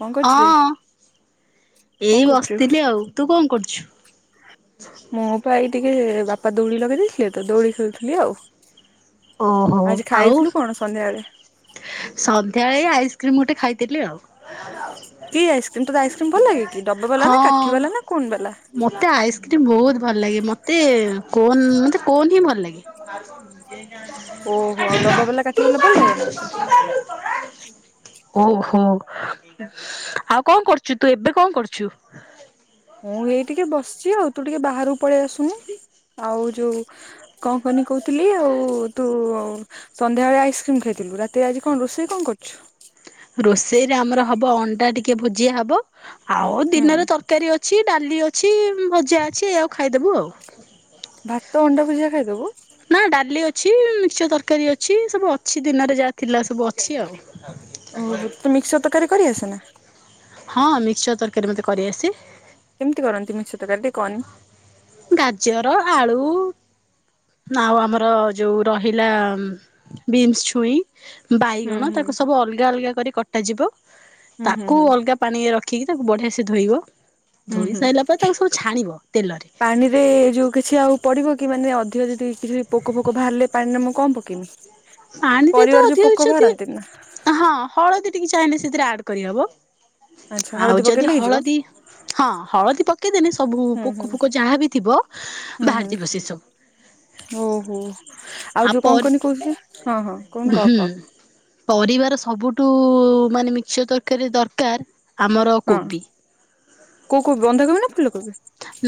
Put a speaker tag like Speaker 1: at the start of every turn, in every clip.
Speaker 1: କଣ କରୁଥିଲେ?
Speaker 2: ହଁ ଏଇ ବସିଥିଲି ଆଉ। ତୁ କଣ କରୁଚୁ?
Speaker 1: ମୁଁ ପା ଏଇ ଟିକେ ବାପା ଦୋଳି ଲଗେଇ ଦେଇଥିଲେ ତ ଦୋଳି ଖେଳୁଥିଲି ଆଉ।
Speaker 2: ଓହୋ।
Speaker 1: ଆଜି
Speaker 2: ଆଉ
Speaker 1: ଖାଇଥିଲୁ କଣ ସନ୍ଧ୍ୟାବେଳେ?
Speaker 2: ସନ୍ଧ୍ୟାବେଳେ ଆଇସ୍କ୍ରିମ୍ ଗୋଟେ ଖାଇଥିଲି ଆଉ।
Speaker 1: କି ଆଇସ୍କ୍ରିମ୍? ତତେ ଆଇସ୍କ୍ରିମ ଭଲ ଲାଗେ କି? ଡବା ବାଲା ନା କାଠି ବାଲା ନା କୋନ୍ ବାଲା?
Speaker 2: ମୋତେ ଆଇସ୍କ୍ରିମ୍ ବହୁତ ଭଲ ଲାଗେ। ମତେ କୋନ୍ ମତେ କୋନ୍ ହିଁ ଭଲ ଲାଗେ।
Speaker 1: ଓହୋ। ଆଉ ଡବା ବାଲା କାଠି ବାଲା ଭଲ ଲାଗେନା?
Speaker 2: ଓହୋ। ଆଉ କଣ କରୁଚୁ ତୁ ଏବେ କଣ କରୁଚୁ?
Speaker 1: ମୁଁ ଏଇ ଟିକେ ବସିଚି ଆଉ। ତୁ ଟିକେ ବାହାରକୁ ପଳେଇ ଆସୁନୁ। ଆଉ ଯୋଉ କଣ କହନି କହୁଥିଲି ଆଉ ତୁ ସନ୍ଧ୍ୟାବେଳେ ଆଇସ୍କ୍ରିମ୍ ଖାଇଥିଲୁ। ରାତିରେ ଆଜି କଣ ରୋଷେଇ କଣ କରୁଚୁ?
Speaker 2: ରୋଷେଇରେ ଆମର ହବ ଅଣ୍ଡା ଟିକେ ଭୁଜିଆ ହବ। ଆଉ
Speaker 1: ହୁଁ
Speaker 2: ଦିନରେ ତର୍ କାରୀ ଅଛି ଡାଲି ଅଛି ଭଜା ଅଛି ଏଇଆ କୁ ଖାଇଦବୁ ଆଉ।
Speaker 1: ଭାତ ଅଣ୍ଡା ଭୁଜିଆ ଖାଇଦବୁ?
Speaker 2: ନା ଡାଲି ଅଛି ମିକ୍ସଚର ତରକାରୀ ଅଛି ସବୁ ଅଛି ଦିନରେ ଯାହା ଥିଲା ସବୁ ଅ ଛି
Speaker 1: ଓହୋ
Speaker 2: ଆଉ।
Speaker 1: ତତେ ମିକ୍ସଚର ତରକାରୀ କରି ଆସେ ନା?
Speaker 2: ହଁ ମିକ୍ସଚର ତରକାରୀ ମତେ କରି ଆସେ।
Speaker 1: କେମତି କରନ୍ତି ମିକ୍ସଚର ତକାରୀ ଟିକେ କହନି?
Speaker 2: ଗାଜର, ଆଳୁ ଆଉ ଆମର ଯୋଉ ରହିଲା ବିନ୍ସ ଛୁଇଁ
Speaker 1: ହୁଁ
Speaker 2: ବାଇଗଣ
Speaker 1: ହୁଁ
Speaker 2: ତାକୁ ସବୁ ଅଲଗା ଅଲଗା କରି କଟାଯିବ।
Speaker 1: ହୁଁ ହୁଁ
Speaker 2: ତାକୁ
Speaker 1: ହୁଁ
Speaker 2: ଅଲଗା ପାଣିରେ ରଖିକି ତାକୁ ବଢ଼ିଆ ସେ ଧୋଇବ।
Speaker 1: ହୁଁ
Speaker 2: ଧୋଇ
Speaker 1: ହୁଁ।
Speaker 2: ସାରିଲା ପରେ ତାକୁ ସବୁ ଛାଣିବ ତେଲରେ
Speaker 1: ପାଣିରେ ଯୋଉ କିଛି ଆଉ ପଡିବ କି, ମାନେ ଅଧିକ ଯଦି କିଛି ପୋକ ଫୋକ ବାହାରିଲେ ପାଣିରେ ମୁଁ କଣ ପକେଇମି?
Speaker 2: ଆଣିଦିଏ ତ
Speaker 1: ପରିବାରେ ଯୋଉ
Speaker 2: ଅଧିକ
Speaker 1: ପୋକ
Speaker 2: କିଛି
Speaker 1: ବାହାରନ୍ତି ନା
Speaker 2: ଅଧିକ ହଁ ହଳଦୀ ଟିକେ ଚାହିଁଲେ ସେଥିରେ ଆଡ କରିହବ।
Speaker 1: ଆଚ୍ଛା
Speaker 2: ଆଉ
Speaker 1: ହଳଦୀ
Speaker 2: ଯଦି
Speaker 1: ପକେଇଲେ ହେଇଯିବ
Speaker 2: ହଳଦୀ ହଁ ହଳଦୀ ପକେଇଦେଲେ ସବୁ
Speaker 1: ହୁଁ ହୁଁ
Speaker 2: ପୋକ ଫୋକ ଯାହା ବିି ଥିବ
Speaker 1: ହୁଁ ହୁଁ
Speaker 2: ବାହାରିଯିବ ସେସବୁ।
Speaker 1: ଓହୋ। ଆଉ ଯୋଉ କଣ କନି କହୁଥିଲି ହଁ ହଁ କହୁନୁ କହ
Speaker 2: ହୁଁ
Speaker 1: କହ?
Speaker 2: ପରିବାର ସବୁଠୁ ମାନେ ମିକ୍ସଚର ତରକାରୀ ଦରକାର। ଆମର
Speaker 1: ହଁ।
Speaker 2: କୋବି।
Speaker 1: କୋଉ କୋବି ବନ୍ଧା କୋବି ନା ଫୁଲ କୋବି?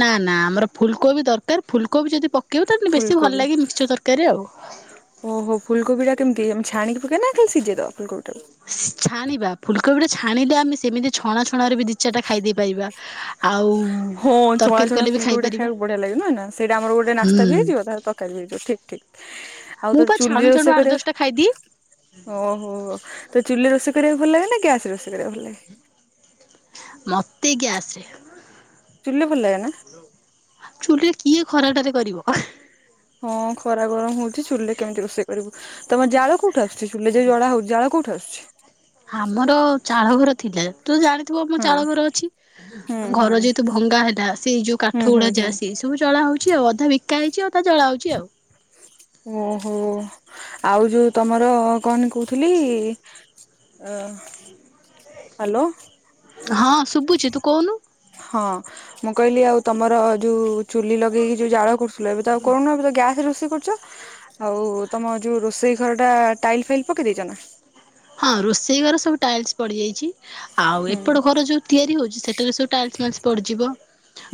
Speaker 2: ନା ନା ଆମର ଫୁଲକୋବି ଦରକାର ଫୁଲକୋବି ଯଦି ପକେଇବ ତାହେଲେ ବେଶୀ ଭଲ
Speaker 1: ଫୁଲକୋବି
Speaker 2: ଲାଗେ ମିକ୍ସଚର ତରକାରୀରେ ଆଉ।
Speaker 1: ଓହୋ ଫୁଲକୋବିଟା କେମତି ଛାଣିକି ପକେଇବା ନା ଖାଲି ସିଝେଇଦବା ଫୁଲକୋବି ଟାକୁ?
Speaker 2: ଛାଣିବା ଫୁଲକୋବିଟା ଛାଣିଲେ ଆମେ ସେମିତି ଛଣା ଛଣାରେ ବି ଦିଚାରଟା ଖାଇ ଦେଇପାରିବା।
Speaker 1: ହଁ ଛଣା ଛଣା
Speaker 2: କଲେ ବି
Speaker 1: ଫୁଲକୋବିଟା
Speaker 2: ଖାଇପାରିବା
Speaker 1: ଖାଇବାକୁ ବଢିଆ ଲାଗେ ନୁହେଁ ନା ସେଇଟା ଆମର ଗୋଟେ
Speaker 2: ହୁଁ।
Speaker 1: ନାସ୍ତା ବି ହେଇଯିବ ତା ତରକାରୀ ବି ହେଇଯିବ ଠିକ ଠିକ ଆଉ
Speaker 2: ମୁଁ
Speaker 1: ତା
Speaker 2: ପା ଛାଣୁ
Speaker 1: ଚୁଲିରେ
Speaker 2: ଛାଣୁ
Speaker 1: ରୋଷେଇ
Speaker 2: ଆଠ ଦଶଟା ଖାଇଦିଏ
Speaker 1: କରିବା। ଓହୋ। ତତେ ଚୁଲିରେ ରୋଷେଇ କରିବାକୁ ଭଲ ଲାଗେ ନା ଗ୍ୟାସରେ ରୋଷେଇ କରିବାକୁ ଭଲ ଲାଗେ?
Speaker 2: ମତେ ଗ୍ୟାସରେ।
Speaker 1: ଚୁଲିରେ ଭଲ ଲାଗେନା?
Speaker 2: ଚୁଲିରେ କିଏ ଖରାଟାରେ କରିବ।
Speaker 1: ହଁ ଖରା ଗରମ ହଉଛି ଚୁଲରେ କେମିତି ରୋଷେଇ କରିବୁ? ତମର ଜାଳ କୋଉଠୁ ଆସୁଛି ଚୁଲିରେ ଯୋଉ ଜଳାହଉଛି ଜାଳ କୋଉଠୁ ଆସୁଛି?
Speaker 2: ଆମର ଚାଳଘର ଥିଲା। ତୁ ଜାଣିଥିବୁ ମୋ
Speaker 1: ହଁ
Speaker 2: ଚାଳ ଘର ଅଛି
Speaker 1: ହୁଁ ହୁଁ
Speaker 2: ଘର ଯେହେତୁ ଭଙ୍ଗା ହେଲା ସେଇ ଯୋଉ
Speaker 1: ହୁଁ
Speaker 2: କାଠ
Speaker 1: ହୁଁ
Speaker 2: ଗୁଡା
Speaker 1: ହୁଁ
Speaker 2: ଯା ସି ସବୁ ଜଳା ହଉଛି ଆଉ ଅଧା ବିକା ହେଇଛି ଅଧା ଜଳା ହଉଛି ଆଉ
Speaker 1: ଓହୋ ଆଉ ଯୋଉ ତମର କଣ କହୁଥିଲି? ଅ। ହ୍ୟାଲୋ।
Speaker 2: ହଁ ଶୁବୁଚି ତୁ କହୁନୁ?
Speaker 1: ହଁ। ମୁଁ କହିଲି ଆଉ ତମର ଯୋଉ ଚୁଲି ଲଗେଇ ଯୋଉ ଜାଳ କରୁଥିଲ ଏବେ ତ ଆଉ କରୁନ ଏବେ ତ ଗ୍ୟାସରେ ରୋଷେଇ କରୁଛ। ଆଉ ତମ ଯୋଉ ରୋଷେଇ ଘରଟା ଟାଇଲ ଫାଇଲ ପକେଇ ଦେଇଛ ନା।
Speaker 2: ହଁ ରୋଷେଇ ଘର ସବୁ ଟାଇଲ୍ସ ପଡ଼ିଯାଇଛି। ଆଉ
Speaker 1: ହୁଁ
Speaker 2: ଏପଟ ଘର ଯୋଉ ତିଆରି ହଉଛି ସେଠାରେ ସବୁ ଟାଇଲସ ଫାଇଲସ ପଡିଯିବ।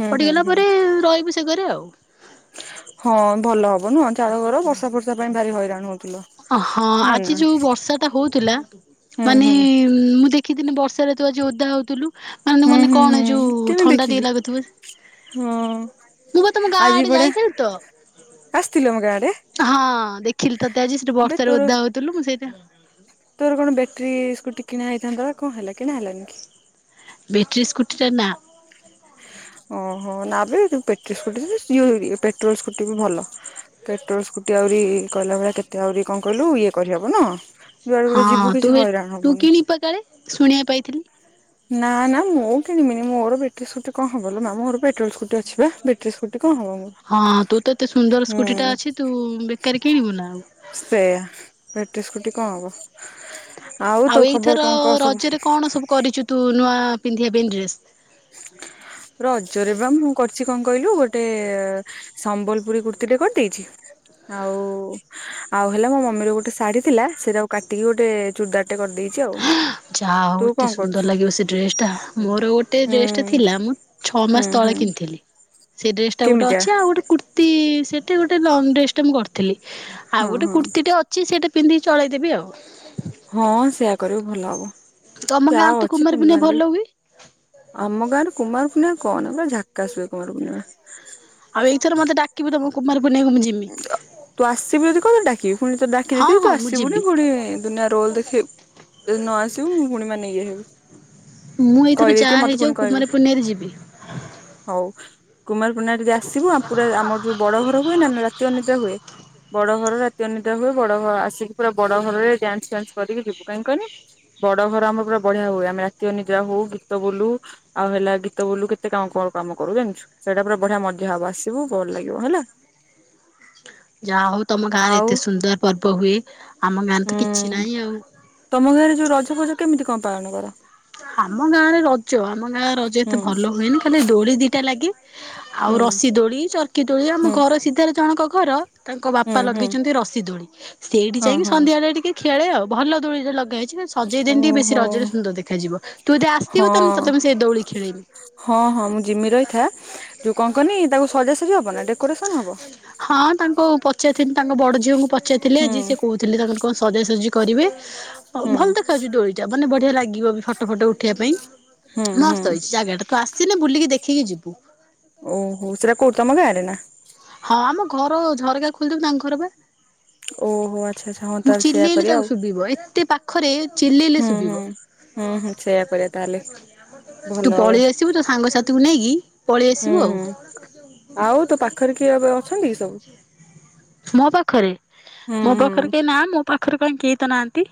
Speaker 1: ହୁଁ ହୁଁ
Speaker 2: ପଡିଗଲା
Speaker 1: ହୁଁ
Speaker 2: ପରେ ରହିବୁ ସେ ଘରେ ଆଉ
Speaker 1: ହଁ ଭଲ ହବ ନୁହଁ ଚାଳଘର, ବର୍ଷା, ଫର୍ଷା, ପାଇଁ ଭାରି ହଇରାଣ ହଉଥିଲ।
Speaker 2: ଅ ହଁ ଆଜି ଯୋଉ, ବର୍ଷାଟା ହଉଥିଲା।
Speaker 1: ହୁଁ ହୁଁ।
Speaker 2: ହଁ ମୁଁ ଦେଖିଥିଲିନି ବର୍ଷାରେ ତୁ ଆଜି ଓଦା ହଉଥିଲୁ ମାନେ
Speaker 1: ହୁଁ
Speaker 2: ମାନେ
Speaker 1: ହୁଁ
Speaker 2: କଣ ଯୋଉ,
Speaker 1: ହୁଁ କେମିତି
Speaker 2: ଥଣ୍ଡା,
Speaker 1: ଦେଖିଲୁ
Speaker 2: ଟିକେ ଲାଗୁଥିବ।
Speaker 1: ହଁ
Speaker 2: ମୁଁ ବା ତମ ଗାଁ
Speaker 1: ଆଜି
Speaker 2: ଆଡେ
Speaker 1: ପଡା
Speaker 2: ଯାଇଥିଲି ତ।
Speaker 1: ଆସିଥିଲ ଆମ ଗାଁ ଆଡେ
Speaker 2: ହଁ ଦେଖିଲି ତତେ ଆଜି ସେଠି
Speaker 1: ବେ
Speaker 2: ବର୍ଷାରେ
Speaker 1: ତୋର
Speaker 2: ଓଦା ହଉଥିଲୁ ମୁଁ ସେଇଥିପା
Speaker 1: ତୋର କଣ ବ୍ୟାଟେରି ସ୍କୁଟି କିଣା ହେଇଥାନ୍ତା। କଣ ହେଲା କିଣା ହେଲାନି କି?
Speaker 2: ବେଟରି ସ୍କୁଟିଟା ନା।
Speaker 1: ଓହୋ ନବେ ବେଟ୍ରି ସ୍କୁଟି [inaudible] ପେଟ୍ରୋଲ ସ୍କୁଟି ବି ଭଲ। ପେଟ୍ରୋଲ ସ୍କୁଟି ଆହୁରି କହିଲା ଭଳିଆ କେତେ ଆହୁରି କଣ କହିଲୁ ଇଏ କରିହବ ନୁହଁ। ଯୁଆଡେ ଗୋଟେ
Speaker 2: ହଁ
Speaker 1: ଯିବୁ
Speaker 2: ତୁ
Speaker 1: କିଛି ହଇରାଣ
Speaker 2: ତୁ
Speaker 1: ହବୁନି।
Speaker 2: କିଣିପା କାଳେ ଶୁଣିବା ପାଇଥିଲି।
Speaker 1: ନାଁ ନାଁ ମୁଁ କିଣିବିନି ମୋର ବେଟ୍ ବେଟ୍ରୀ ସ୍କୁଟି କଣ ହବଲୋ ମା ମୋର ପେଟ୍ରୋଲ ସ୍କୁଟି ଅଛି ଵେଟ୍ରି ସ୍କୁଟି କଣହବ ମୋ
Speaker 2: ହଁ ତୁ ତ ଏତେ ସୁନ୍ଦର ସ୍କୁଟିଟା ଅଛି ତୁ ବେକାର କିଣିବୁ ନା ଆଉ
Speaker 1: ସେଇୟା ବ୍ୟାଟେରୀ ସ୍କୁଟି କଣ ହବ? ତୋ
Speaker 2: ଆଉ
Speaker 1: ଖବର
Speaker 2: ଏଇଥର
Speaker 1: କଣ କହ ସବୁ?
Speaker 2: ରଜରେ କଣ ସବୁ କରିଛୁ ତୁ ନୂଆ ପିନ୍ଧିବା ପାଇଁ ଡ୍ରେସ୍?
Speaker 1: ହ ରଜରେ ବା ମୁଁ କରିଛି କଣ କହିଲୁ ଗୋଟେ ସମ୍ବଲପୁରୀ କୁର୍ତ୍ତୀଟେ କରିଦେଇଛି। ଆଉ ଆଉ ହେଲା ମୋ ମମୀର ଗୋଟେ ଶାଢ଼ୀ ଥିଲା ସେରାକୁ କାଟିକି ଗୋଟେ ଚୁଡ଼ିଦାରଟେ କରିଦେଇ
Speaker 2: ଯାହା ହଉ ଏତେ ସୁନ୍ଦର ଲାଗିବ ସେ ଡ୍ରେସ୍ ଟା ମୋର ଗୋଟେ
Speaker 1: ହୁଁ
Speaker 2: ଡ୍ରେସ୍ ଟେ ଥିଲା ମୁଁ ଛଅ
Speaker 1: ହୁଁ
Speaker 2: ମାସ
Speaker 1: ହୁଁ
Speaker 2: ତଳେ କିଣିଥିଲି। ସେ ଡ୍ରେସ୍ ଟା ଗୋଟେ
Speaker 1: କେମିତିଆ
Speaker 2: ଅଛି ଆଉ ଗୋଟେ କୁର୍ତ୍ତୀ ସେଟ୍ ଟେ ଗୋଟେ ଲଙ୍ଗ୍ ଡ୍ରେସ୍ ଟେ ମୁଁ କରିଥିଲି।
Speaker 1: ହଁ
Speaker 2: ଆଉ ଗୋଟେ
Speaker 1: ହଁ
Speaker 2: କୁର୍ତ୍ତିଟେ ଅଛି ସେଇଟା ପିନ୍ଧିକି ଚଳେଇଦେବି ଆଉ।
Speaker 1: ହଁ ସେୟା କରିବୁ ଭଲ ହବ
Speaker 2: ତମ ଗାଁ
Speaker 1: ଯହା
Speaker 2: ତ
Speaker 1: ଅଛି
Speaker 2: କୁମାର
Speaker 1: ପିନ୍ଧି
Speaker 2: ପୂର୍ଣ୍ଣିମା ଭଲ
Speaker 1: ବାନ୍ଧି
Speaker 2: ହୁଏ।
Speaker 1: ଆମ ଗାଁରେ କୁମାର ପର୍ଣ୍ଣିମା କଅନା ପୁରା ଝାକାସ୍ ହୁଏ କୁମାର ପୁର୍ଣିମା।
Speaker 2: ଆଉ ଏଇଥର ମତେ ଡାକିବୁ ତମ କୁମାର ପୂର୍ମାଣ୍ଣିକୁ ମୁଁ ଯିମି।
Speaker 1: ତୁ ଆସିବୁ ଯଦି କ ତତେ ଡାକିବି ଫୁଣି ତତେ ଡାକି
Speaker 2: ହଁ
Speaker 1: ଦେଇଥିବି ତୁ
Speaker 2: ହଁ ମୁଁ ଯିବି
Speaker 1: ଆସିବୁନି ଫୁଣି ଦୁନିଆ ରୋଲ୍ ଦେଖେଇ ଯଦି ନ ଆସିବୁ ମୁଁ ଫୁଣି ମାନେ ନେଇ ଇଏ ହେବି।
Speaker 2: ମୁଁ ଏଇଥର
Speaker 1: କହିଦେଇଥିବି
Speaker 2: ଯାହା
Speaker 1: ମତେ ପୁଣି
Speaker 2: ହେଇଯାଉ
Speaker 1: କହିବେ
Speaker 2: କୁମାରୀ ପୂର୍ଣ୍ଣିଆରେ ଯିବି।
Speaker 1: ହଉ କୁମାର ପୂର୍ଣ୍ଣିମାରେ ଯଦି ଆସିବୁ ଆଉ ପୁରା ଆମର ଯୋଉ ବଡ଼ ଘର ହୁଏ ନା ମେଳା ଉଁତା ହୁଏ। ବଡ଼ ଘର ରାତି ଅନିଦା ହୁଏ ବଡ଼ ଘ ଆସିକି ପୁରା ବଡ଼ ଘରରେ ଡ୍ୟାନ୍ସ ଫ୍ୟାନ୍ସ କରିକି ଯିବୁ କାଇଁ କନି ବଡ଼ ଘର ଆମର ପୁରା ବଢ଼ିଆ ହୁଏ ଆମେ ରାତି ଅନିଦ୍ରା ହଉ ଗୀତ ବୋଲୁ। ଆଉ ହେଲା ଗୀତ ବୋଲୁ କେତେ କାଁ କଣ କାମ କରୁ ଜାଣିଛୁ? ସେଇଟା ପୁରା ବଢ଼ିଆ ମଲିଆ ହବ ଆସିବୁ ଭଲ ଲାଗିବ ହେଲା।
Speaker 2: ଯାହା ହଉ ତମ ଗାଁରେ
Speaker 1: ଆଉ
Speaker 2: ଏତେ ସୁନ୍ଦର ପର୍ବ ହୁଏ ଆମ ଗାଁରେ ତ କିଛି
Speaker 1: ହୁଁ
Speaker 2: ନାହିଁ ଆଉ।
Speaker 1: ତମ ଗାଁରେ ଯୋଉ ରଜ ଫଜ କେମିତି କଁ ପାଳନ କର?
Speaker 2: ଆମ ଗାଁରେ ରଜ ଆମ ଗାଁ ରଜ ଏତେ
Speaker 1: ହୁଁ
Speaker 2: ଭଲ ହୁଏନି ଖାଲି ଦୋଳି ଦିଟା ଲାଗେ। ଆଉ
Speaker 1: ହୁଁ
Speaker 2: ରସିି ଦୋଳି, ଚର୍କି ଦୋଳି, ଆମ
Speaker 1: ହୁଁ
Speaker 2: ଘର ସିଧାରେ ଜଣକ ଘର ତାଙ୍କ
Speaker 1: ହୁଁ
Speaker 2: ବାପା
Speaker 1: ହୁଁ
Speaker 2: ଲଗେଇଚନ୍ତି ରସି ଦୋଳି, ସେଇଠି
Speaker 1: ହଁ
Speaker 2: ଯାଇଁକି
Speaker 1: ହଁ
Speaker 2: ସନ୍ଧ୍ୟାଅଳେ ଟିକେ ଖିଆଳେ ଆଉ ଭଲ ଦୋଳି ସେ ଲଗା ହେଇଚି ସେ ସଜେଇ ଦେନ ଟିକେ ବେଶୀ
Speaker 1: ଓହୋ
Speaker 2: ରଜରେ ସୁନ୍ଦର ଦେ ଖାଯିବ ତୁ ଯଦି ଆସିବୁ ତାନେ ତତେ
Speaker 1: ହଁ
Speaker 2: ମୁଁ ସେଇ ଦୋଉଳି ଖେଳେଇମି।
Speaker 1: ହଁ ହଁ ମୁଁ ଜିମି ରହିଥା ଯୋଉ କଣ କହନି ତାକୁ ସଜାସଜି ହବ ନା ଡେକୋରେସନ ହବ?
Speaker 2: ହଁ ତାଙ୍କୁ ପଚାରିଥିନି ତାଙ୍କ ବଡ଼ ଝିଅଙ୍କୁ ପ ଚାଥିଲେ
Speaker 1: ହୁଁ
Speaker 2: ଆଜି ସେ କୋ ଉଥିଲେ ତାଙ୍କର କଁ ସଜା ସଜି କରିବେ ଆଉ
Speaker 1: ହୁଁ
Speaker 2: ଭଲ ଦେଖାହୋଉଚି ଦୋଳିଟା ମାନେ ବଢ଼ିଆ ଲାଗିବ ବି ଫଟ ଫଟ ଉଠେଇବା
Speaker 1: ହୁଁ
Speaker 2: ପାଇଁ
Speaker 1: ହୁଁ
Speaker 2: ମସ୍ତ ହେଇଚି ଜାଗାଟା ତୁ ଆସିଲେ ବୁଲିକି ଦେଖିକି ଯିବୁ।
Speaker 1: ଓହୋ ସେଇଟା କୋଉଠି ତମ ଗାଁରେ ନାଁ?
Speaker 2: ହଁ ଆମ ଘର ଝରକା ଖୋଲିଦୋବୁ ତାଙ୍କ ଘର ପା।
Speaker 1: ଓହୋ ଆଚ୍ଛା ଆଚ୍ଛା ହଁ
Speaker 2: ମୁଁ
Speaker 1: ତାହେଲେ ସେଇୟା
Speaker 2: ଚିଲେଇଲେ
Speaker 1: କରିବା
Speaker 2: ତାକୁ
Speaker 1: ଆଉ
Speaker 2: ଶୁଭିବ ଏତେ ପା ପାଖରେ ଚିଲେଇଲେ
Speaker 1: ହୁଁ ହୁଁ
Speaker 2: ଶୁବିବ
Speaker 1: ହୁଁ ହୁଁ ସେଇୟା କରିବା ତାହେଲେ ଭଲ
Speaker 2: ତୁ
Speaker 1: ହବ
Speaker 2: ପଳିଆସ୍ ସିବୁ ତୋ ସାଙ୍ଗସାଥିକୁ ନେଇକି
Speaker 1: ହୁଁ
Speaker 2: ପଳିଆସିବୁ ଆଉ।
Speaker 1: ହୁଁ। ଆଉ ତୋ ପା
Speaker 2: ମୋ ପାଖରେ
Speaker 1: ହୁଁ
Speaker 2: ମୋ ପାଖରେ
Speaker 1: ହୁଁ
Speaker 2: କେହି ନାଁ ମୋ ପାଖରେ କାଇଁ କେହି ତ ନାହାଁନ୍ତି।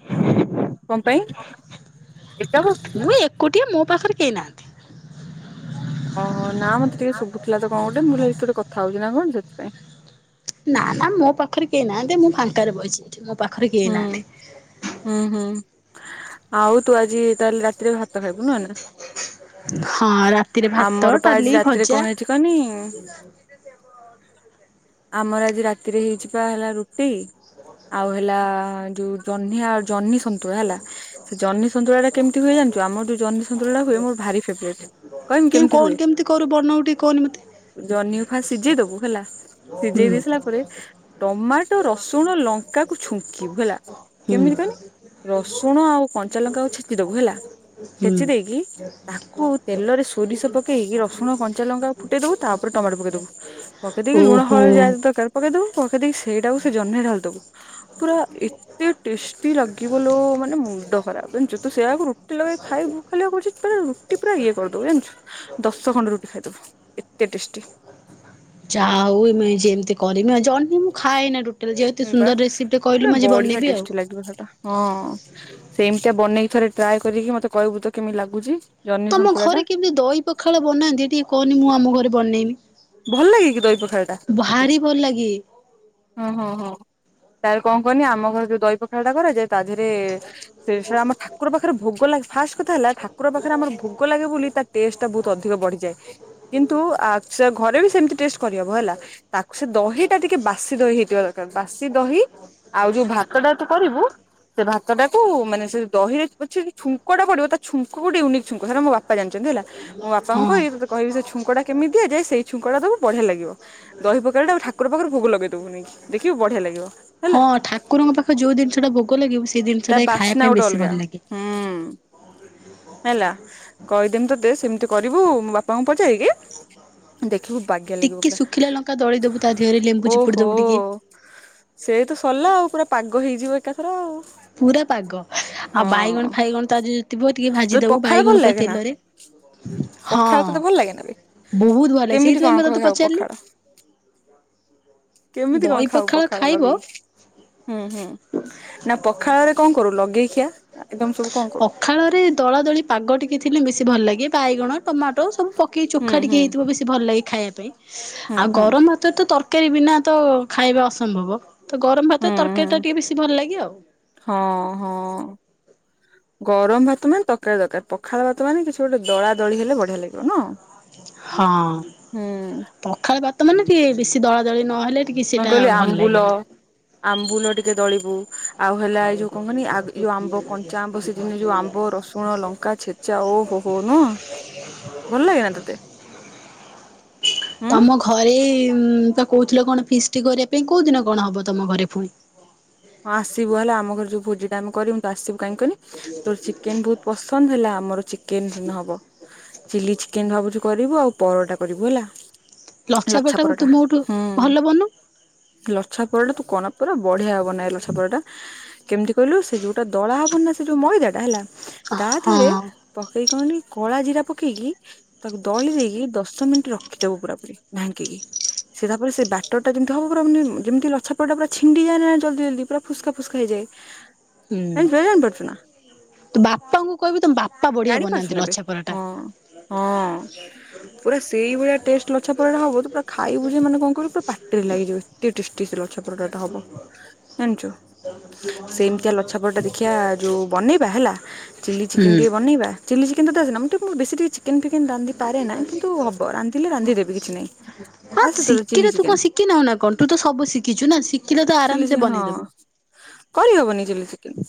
Speaker 1: କଁ ପାଇଁ ଏକା ବସିଚୁ?
Speaker 2: କୋଉଠି ମୋ ପାଖରେ କେହି ନାହାନ୍ତି।
Speaker 1: ଓହୋ ନାଁ ମତେ ଟିକେ ଶୁବୁଥୁଲା ତ କଁ ଗୋଟେ ମୁଁ ଅଲି ହାଇ କିଏ ଗୋଟେ କଥା ହଉଚି ନାଁ କଣ ସେଥିାଇଁ।
Speaker 2: ନାଁ ନାଁ ମୋ ପାଖରେ କେହି ନାହାନ୍ତି ମୁଁ ଫାଙ୍କାରେ ବସିଚି ମୋ ପାଖରେ କେହି ନାହାନ୍ତି।
Speaker 1: ହଁ ହଁ ଆଉ ତୁ ଆଜି ତାହେଲେ ରାତିରେ ଭାତ ଖାଇବୁ ନୁହଁ ନାଁ
Speaker 2: ହଁ ରାତିରେ ଭାତ
Speaker 1: ଆମର ପା
Speaker 2: ଡାଲି
Speaker 1: ଆଜି ରାତିରେ
Speaker 2: ଭଜା
Speaker 1: କଁ ହେଇଚି କହନିଁ ଆମର ଆଜି ରାତିରେ ହେଇଛି ପା ହେଲା ରୁଟି
Speaker 2: ସମଝ୍ ସକେ
Speaker 1: ଆଉ ହେଲା ଯୋଉ ଜହ୍ନିଆ ଜହ୍ନି ସନ୍ତୁଳା ହେଲା। ସେ ଜିହ୍ନି ସନ୍ତୁଳାଟା କେମତି ହୁଏ ଜାଣିଚୁ? ଆମର ଯୋଉ ଜହ୍ନି ସନ୍ତୁଳାଟା ହୁଏ ମୋର ଭାରି ଫେବରେଟ୍। କହିମି
Speaker 2: କେଁ
Speaker 1: କେମିତି
Speaker 2: କୋଉ
Speaker 1: ହୁଏ
Speaker 2: କେମତି କରୁ ବନଉ ଟି
Speaker 1: ଜହ୍ନିକୁ ଖାଲି ସିଜେଇ ଦବୁ ହେଲା
Speaker 2: ହୁଁ
Speaker 1: ସିଜେଇ ଦେଇ ସାଲା ପରେ ଟମାଟୋ ରସୁଣ ଲଙ୍କାକୁ ଛୁଙ୍କିବୁ ହେଲା
Speaker 2: ହୁଁ
Speaker 1: କେମିତି କହନି? ରସୁଣ ଆଉ କଞ୍ଚା ଲଙ୍କା ଛେଚିଦବୁ ହେଲା
Speaker 2: ହୁଁ
Speaker 1: ଛେଚି ଦେଇକି ତାକୁ ତେଲରେ ସୋରିଷ ପକେଇକି ରସୁଣ-କଞ୍ଚା ଲଙ୍କାକୁ ଫୁଟେଇଦବୁ, ତାପରେ ଟମାଟୋ ପକେଇ ଦବୁ। ପକେଇ ଦେଇକି ଲୁଣ,
Speaker 2: ଓହୋ।
Speaker 1: ହଳଦୀ ଯାହା ଯାହା ଦରକାର ପକେଇଦବୁ, ପକେଇ ଦେଇକି ସେଇଟାକୁ ସେ ଜହ୍ନି ରେ ଢାଳି ଦବୁ। ପୁରା ଏ ଏତେ ଟେଷ୍ଟି ଲାଗିବ ଲୋ ମାନେ ମୁଣ୍ଡ ଖରାପ। ଜାଣିଛୁ ତୁ ସେଇଆକୁ ରୁଟି ଲଗେଇ ଖାଇବୁ ଖାଲି ବା କହୁଛି ପୁରା ରୁଟି ପୁରା ଇଏ କରିଦେବୁ, ଜାଣିଛୁ ଦଶ ଖଣ୍ଡ ରୁଟି ଖାଇଦବୁ ଏତେ ଟେଷ୍ଟି।
Speaker 2: ଯାହା ହଉ ମୁଁ ଆଜି ଏମିତି କରମି ଆଉ। ଜହ୍ନି ମୁଁ ଖାଏନା ଟୋଟାଲ୍। ଯେହେତୁ
Speaker 1: ହଁ ବା
Speaker 2: ସୁନ୍ଦର ରେସିପି ଟିଏ
Speaker 1: ପୁରା
Speaker 2: କହିଲୁ ମୁଁ ଆଜି
Speaker 1: ବଢିଆ
Speaker 2: ବନେଇବି ଆଉ।
Speaker 1: ଟେଷ୍ଟି ଲାଗିବ ସେଟା। ହଁ, ସେମିତିଆ ବନେଇିକି ଥରେ ଟ୍ରାଏ କରିକି ମତେ କହିବୁ ତ କେମିତି ଲାଗୁଚି।
Speaker 2: ତମ ଘରେ କେମିତି ଦହି ପଖାଳ ବନାନ୍ତି, ଟିକେ କହନି ମୁଁ ଆମ ଘରେ ବନେଇବି।
Speaker 1: ଭଲ ଲାଗେ କିି ପଖାଳ ଟା ତତେ?
Speaker 2: ଭଲ ଲାଗେ
Speaker 1: ହଁ ହଁ। ତାପରେ କଣ କହନି ଆମ ଘରେ ଯୋଉ ଦହି ପଖାଳ ଟା କରାଯାଏ ତା ଦେହରେ ସେ ସେଟା ଆମ ଠାକୁର ପାଖରେ ଭୋଗ ଲାଗ ଫାଷ୍ଟ କଥା ହେଲା ଠାକୁର ପାଖରେ ଆମର ଭୋଗ ଲାଗେ ବୋଲି ତା ଟେଷ୍ଟ ଟା ବହୁତ ଅଧିକ ବଢ଼ିଯାଏ। କିନ୍ତୁ ଆ ଘରେ ବି ସେମତି ଟେଷ୍ଟ କରିହବ ହେଲା‌। ତାକୁ ସେ ଦହି ଟା ଟିକେ ବାସି ଦହି ହେଇଥିବା ଦରକାର ବାସି ଦହି ଆଉ ଯୋଉ ଭାତ ଟା ତୁ କରିବୁ ସେ ଭାତ ଟାକୁ ମାନେ ସେ ଦହିରେ ପ ଛୁଙ୍କ ଟା ପଡ଼ିବ ତା ଛୁଙ୍କ ଗୋଟେ‌ ୟୁନିକ ଛୁଙ୍କ ସେଟା ମୋ ବାପା ବାପା ଜାଣିଛନ୍ତି ହେଲା। ମୋ ବାପାଙ୍କୁ
Speaker 2: ହଁ।
Speaker 1: କହିବି ତତେ ଛୁଙ୍କଟା କେମିତି ଦିଆଯାଏ ସେଇ ଛୁଙ୍କ ଟା ଦବୁ ବଢ଼ିଆ ଲାଗିବ। ଦହି ପଖାଳଟା ଠାକୁର ପାଖରେ ଭୋଗ ଲଗେଇଦବୁ ନେଇକି ଦେଖିବୁ ବଢ଼ିଆ ଲାଗିବ।
Speaker 2: ହଁ
Speaker 1: ହେଲା
Speaker 2: ଠାକୁରଙ୍କ ପାଖ ଯୋଉ ଜିନିଷ ଟା ଭୋଗ ଲାଗିବ ସେଇ ଜିନିଷ
Speaker 1: ତା
Speaker 2: ଟା ଖାଇବା
Speaker 1: ବାସ୍ନା
Speaker 2: ପାଇଁ
Speaker 1: ଗୋଟେ
Speaker 2: ବେଶୀ
Speaker 1: ଅଲଗା
Speaker 2: ଭଲ ଲାଗେ।
Speaker 1: ହୁଁ ହେଲା କହିଦେମି ତତେ ସେମିତି କରିବୁ ବାପାଙ୍କୁ ପଚାରିକି ଦେଖିବୁ ବାଗ୍ୟା ଲାଗିବ
Speaker 2: ଟିକେ ଶୁଖିଲା ଲଙ୍କା ଦଳି ଦବୁ ତା ଦେହରେ ଲେମ୍ବୁ
Speaker 1: ପୁରା।
Speaker 2: ଚିପୁଡ଼ି ଦବୁ ଟିକେ।
Speaker 1: ଓହୋଃ ସେଇ ତ ସରିଲା ଆଉ ପୁରା ପାଗ ହେଇଯିବ ଏକାଥରେ ଆଉ।
Speaker 2: ପୁରା ପାଗ ଆଉ
Speaker 1: ହଁ।
Speaker 2: ବାଇଗଣ- ଫାଇଗଣ ତ ଆଜି ଯଦି ଥିବା ଟିକେ
Speaker 1: ତୋତେ
Speaker 2: ଭାଜି ଦବୁ
Speaker 1: ପଖାଳ ଭଲ
Speaker 2: ବାଇଗଣ ପୁରା
Speaker 1: ଲାଗେ ନା
Speaker 2: ତେଲରେ। ହଁ
Speaker 1: ପଖାଳ ତୋତେ ଭଲ ଲାଗେ ନା ବେ?
Speaker 2: ବହୁତ ଭଲ।
Speaker 1: କେମିତି କଣ
Speaker 2: ସେଇଥିପାଇଁ ପା
Speaker 1: କହ
Speaker 2: ତତେ
Speaker 1: ଖାଉ
Speaker 2: ପଚାରିଲି।
Speaker 1: ପଖାଳ କେମିତି କଣ
Speaker 2: ଦହି
Speaker 1: ଖାଉ ପଖାଳ
Speaker 2: ଖାଇବ
Speaker 1: ଲଗେଇିକି? ହୁଁ ହୁଁ। ନା ପଖାଳରେ କଣ କରୁ ଲଗେଇ ଖିଆ ଆଇଟମ ସବୁ କଣ କରୁ?
Speaker 2: ପଖାଳରେ ଦଳାଦଳି ପାଗ ଟିକେ ଥିଲେ ବେଶୀ ଭଲ ଲାଗେ। ବାଇଗଣ, ଟମାଟୋ ସବୁ ପକେଇ
Speaker 1: ହୁଁ
Speaker 2: ଚୋଖା
Speaker 1: ହୁଁ
Speaker 2: ଟିକେ ହେଇଥିବ ବେଶୀ ଭଲ ଲାଗେ ଖାଇବା ପାଇଁ।
Speaker 1: ହୁଁ
Speaker 2: ଆଉ
Speaker 1: ହୁଁ
Speaker 2: ଗରମ ଭାତରେ ତ ତରକାରୀ ବିନା ତ ଖାଇବା ଅସମ୍ଭବ। ତ ଗରମ ଭାତରେ
Speaker 1: ହୁଁ
Speaker 2: ତରକାରୀ ଟା
Speaker 1: ହୁଁ
Speaker 2: ଟିକେ ବେଶୀ ଭଲ ଲାଗେ ଆଉ।
Speaker 1: ହଁ ହଁ। ଗରମ ଭାତ ମାନେ ତରକାରୀ ଦରକାର। ପ ଖାଳ ଭାତ ମାନେ କିଛି ଗୋଟେ ଦଳା ଦଳି ହେଲେ ବଢ଼ିଆ ଲାଗିବ ନୁହଁ?
Speaker 2: ହଁ ପଖାଳ ଭାତ ମାନେ ଟିକେ ବେଶି ଦଳା ଦଳି ନହେଲେ ଟିକେ
Speaker 1: ମୁଁ
Speaker 2: ସେଇଟା
Speaker 1: କହିଲି
Speaker 2: ଭଲ
Speaker 1: ଆମ୍ବୁଲ
Speaker 2: ଲାଗେନି।
Speaker 1: ଆମ୍ବୁଲ ଟିକେ ଦଳିବୁ ଆଉ ହେଲା ଏଇ ଯୋଉ କଣ କହନି ଯୋଉ ଆମ୍ବ କଞ୍ଚା ଆମ୍ବ ସେଦିନ ଯୋଉ ଆମ୍ବ, ରସୁଣ, ଲଙ୍କା ଛେ ଚା ଓହୋଃ ହୋଃ ନୁହଁ ଭଲ ଲାଗେନା ତୋତେ?
Speaker 2: ତମ ଘରେ ତ କହୁଥିଲ କଣ ଫିଷ୍ଟି କରିବା ପାଇଁ। କୋଉ ଦିନ କଣ ହବ ତମ ଘରେ ପୁଣି?
Speaker 1: ହଁ ଆସିବୁ ହେଲା ଆମ ଘରେ ଯୋଉ ଭୋଜି ଟା ଆମେ କରିବୁ ତୁ ଆସିବୁ। କାହିଁକି କହନି? ତୋ ଚିକେନ ବହୁତ ପସନ୍ଦ, ହେଲା ଆମର ଚି ଚିକେନ ହବ। ଚିଲି ଚିକେନ ଭାବୁଛି କରିବୁ ଆଉ ପରଟା କରିବୁ ହେଲା। ଲଛା
Speaker 2: ଲଛାପଟା
Speaker 1: ପରଟା
Speaker 2: ତୁମଠୁ
Speaker 1: ହୁଁ।
Speaker 2: ଭଲ ବନଉ
Speaker 1: ଲଛା ପରଟା ତୁ କହନା ପୁରା ବଢ଼ିଆ ବନାଏ ଲଛା ପରଟା। କେମିତି କହିଲୁ? ସେ ଯୋଉଟା ଦଳା ହବନ ନା ସେ ଯୋଉ ମଇଦା ଟା ହେଲା ତା
Speaker 2: ହଁ
Speaker 1: ଦେହରେ ପକେଇ କି କଣନି କଳା ଜିରା ପକେଇକି ତାକୁ ଦଳି ଦେଇକି ଦଶ ମିନିଟ ରଖି ଦବୁ ପୁରା ପୁରି ଢାଙ୍କି କି। ସେ ତାପରେ ସେ ବ୍ୟାଟର୍ ଟା ଯେମିତି ହବ ପୁରା ମାନେ ଯେମିତି ଲଛାପରଟା ପୁର ଛିଣ୍ଡି ଯାଏନା ଜଲଦି ଜଲଦି ପୁରା ଫୁସ୍କା ଫୁସ୍କା ହେଇଯାଏ। [unintelligible]
Speaker 2: ହୁଁ
Speaker 1: ଜାଣି ପାରୁଛୁ ନା?
Speaker 2: ବାପାଙ୍କୁ କହିବି ତମ ବାପା ବଢିଆ
Speaker 1: ଜାଣିପାରୁଛୁ
Speaker 2: ବନାନ୍ତି
Speaker 1: ନା ଏବେ
Speaker 2: ଲଛା ପରାଟା।
Speaker 1: ହଁ। ହଁ ପୁରା ସେଇ ଭଳିଆ ଟେଷ୍ଟ ଲଛା ପୁରଟା ହବ ତ ପା ଖାଇବୁେ ମାନେ କଣ କରିବ ପୁର ପାଟିରେ ଲାଗିଯିବ ଏେ ଟେଟି ସେ ଲଛା ପରଟାଟା ହବ। ଜାଣିଛୁ ସେମିତିଆ
Speaker 2: ଆଛ
Speaker 1: ଲଛା ପରଟା ଦେଖିବା ଯୋଉ
Speaker 2: ହୁଁ
Speaker 1: ବନେଇ ଚି ଚିକ [unintelligible] ଚିକେନ ଫିକେନ୍ ରାନ୍ଧି ପାରେ ନାହିଁ କିନ୍ତୁ ହବ ରାନ୍ଧିଲେ ରାନ୍ଧିଦେବି କିଛି ନାହିଁ ଆସେ ତୋତେ ଚିଲି ଚିକେନ?
Speaker 2: ଶିଖି ନାଁ ନା କଣ ତୁ ତ ସବୁ ଶିଖିଛୁ ନା ଶିଖିଲେ ତ
Speaker 1: ଚିଲି ଚି
Speaker 2: ଆରାମସେ
Speaker 1: ହଁ
Speaker 2: ବନେଇଦବୁ।
Speaker 1: କରିହବନି ଚିଲି ଚିକେନ?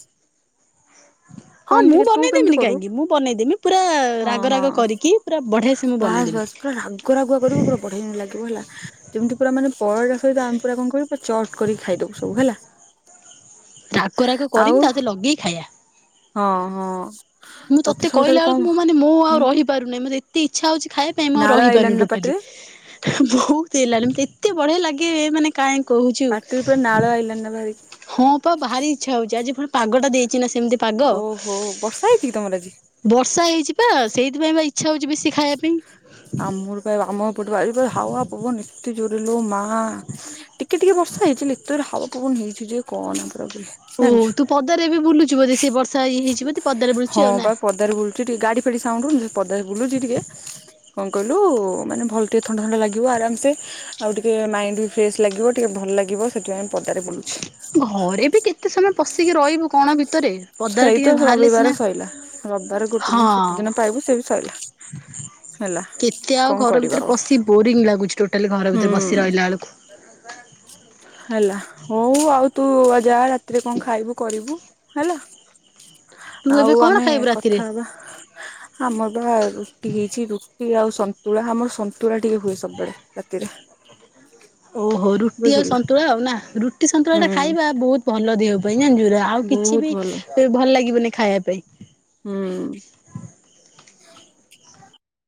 Speaker 2: ହଁ
Speaker 1: କଣ
Speaker 2: ମୁଁ
Speaker 1: ଟିକେ ତୁ
Speaker 2: ବନେଇ
Speaker 1: କେମିତି
Speaker 2: ଦେେମିନି
Speaker 1: କରୁ
Speaker 2: କାହିଁକି ମୁଁ ବନେଇଦେବି ପୁରା
Speaker 1: ହଁ
Speaker 2: ରାଗ
Speaker 1: ହଁ
Speaker 2: ରାଗ କରିକି ପୁରା ବଢିଆ ସେ ମୁଁ
Speaker 1: ବାସ୍ ବାସ୍
Speaker 2: ବନେଇଦେବି।
Speaker 1: ପୁରା ରାଗ ରାଗୁଆ କରିବୁ ପୁରା ପଢେଇ ଲାଗିବ ହେଲା ଯେମିତି ପୁରା ମାନେ ପଳେଇା ସହିତ ଆମେ ପୁରା କଣ କରିବୁ ପୁର କରିକ ଖାଇଦବ ସବୁ ହେଲା।
Speaker 2: ରାଗରାଗ
Speaker 1: ଆଉ
Speaker 2: କରିମି ତାରେ ଲଗେଇି ଖାଇବା।
Speaker 1: ହଁ ହଁ
Speaker 2: ମୁଁ ତତେ
Speaker 1: ସବୁଠାରୁ
Speaker 2: କହିଲା
Speaker 1: କଣ
Speaker 2: ବେଳକୁ ମୁଁ ମାନେ ମୋ
Speaker 1: ହୁଁ
Speaker 2: ଆଉ ରହିବି ଁ ମତେ ଏତେ ଇଛା ହଉଛି ଖାଇବା ପାଇଁ ଆଉ
Speaker 1: ନାଳ ଆଇଲାଣି
Speaker 2: ରହିପାରୁନି
Speaker 1: ନା
Speaker 2: ଟୋଟାଲି
Speaker 1: ପାଟିରେ
Speaker 2: ବହୁତ ହେଇଲାଣିତେ ଏତେ ବଢିଆ ଲାଗେ ମାନେ କାଁ କହୁଛୁ।
Speaker 1: ପାଟିରେ [unintelligible]
Speaker 2: ଭହାରି ଇଚ୍ଛା ହଉଛି ଆଜି ପୁଣି ପାଗ ଟା ଦେଇଛି ନା ସେମିତି ପାଗ।
Speaker 1: ଓହୋ ବର୍ଷା ହେଇଛି କି ତମର ଆଜି?
Speaker 2: ବର୍ଷା ହେଇଛି ବା ସେଇଥିପାଇଁ ବା ଇଚ୍ଛା ହଉଛି ବେଶୀ ଖାଇବା ପାଇଁ।
Speaker 1: ଆମର ପାଇଁ ଆମ ପ ଏ ହାୱା ପବ ନିଶତି ଜୋରେଲ ମା ହଁ ଟିକେ ଟିକେ ବର୍ଷା ହେଇଛି ଏତେ ହାବ ପବନ ହେଇଛି ଯେ କଣ ପୁରପରେ
Speaker 2: ଓହ ତୁ ପଦାରେ ବି ବୁଲୁିବ ଯେ ସେଇ ବର୍ଷା ଇ ହେଇଯିବ ତୁ ପଦାରେ ବୁଲଚୁ ଆଉ ନା।
Speaker 1: ପଦ ବୁଛି ଟିକ ଗାଡି ଫେଡି ସାଉଣ୍ଡୁ ପଦା ବୁଲୁଛି ଟିକେ କଣ କହିଲୁ ମାନେ ଭଲ ଟିକେ ଥଣ୍ଡା ଥଣ୍ଡା ଲାଗିବ ଆରାମ ସେ ଆଉ ଟିକେ ମାଇଣ୍ଡ ବି ଫ୍ରେଶସ ଲାଗିବ ଟିକେ ଭଲ ଲାଗିବ ସେଥିପାଇ ପଦାରେ ବୁଲୁଛି।
Speaker 2: ଘରେ ବି କେତେ ସମୟ ପଶିକି ରହିବୁ କଣ ବି ରେ ପଦ
Speaker 1: ସେଇ ତ
Speaker 2: ଟିକେ ବାହାରିଲେ
Speaker 1: ରବିବାର
Speaker 2: ସିନା
Speaker 1: ସଇଲା ରବିବାର ଗୋଟେ ଦିନ ଛୁଟି ଦିନ ପାଇବୁ ସେ ବି ସଇଲା
Speaker 2: ହଁ।
Speaker 1: ହେଲା
Speaker 2: କେତେ ଆଉ
Speaker 1: କଣ
Speaker 2: ଘର
Speaker 1: କରିବା
Speaker 2: ଭିତରେ
Speaker 1: ଆଉ
Speaker 2: ବସି ବୋରିଙ୍ଗ ଲାଗୁଛି ଟୋଟାଲି ଘର ଭିତରେ ବସି
Speaker 1: ହୁଁ।
Speaker 2: ରହିଲା ବେଳକୁ
Speaker 1: ହେଲା ହଉ ଆଉ ତୁ ଯା ରାତିରେ କଣ ଖାଇବୁ କରିବୁ ହେଲା।
Speaker 2: ତୁ ଏବେ
Speaker 1: ଆଉ
Speaker 2: କଣ
Speaker 1: ଆମେ
Speaker 2: ଖାଇବୁ ରାତିରେ?
Speaker 1: କଥା ହବା। ଆମର ବା ରୁଟି ହେଇଛି ରୁଟି ଆଉ ସନ୍ତୁଳା ଆମର ସନ୍ତୁଳା ଟିକେ ହୁଏ ସବୁବେଳେ ରାତିରେ
Speaker 2: ଓହୋ ରୁଟି ଆଉ
Speaker 1: ବୁଝିଲୁ
Speaker 2: ସନ୍ତୁଳା ଆଉ ନା ରୁଟି ସନ୍ତୁଳା ଟା
Speaker 1: ହୁଁ
Speaker 2: ଖାଇବା ବହୁତ ଭଲ ଦେହ ପାଇଁ ଜା ଜା ଆଉ
Speaker 1: ବହୁତ ଭଲ
Speaker 2: ତ ଭଲ ଲାଗିବନି ଖାଇବା ପାଇଁ
Speaker 1: ହୁଁ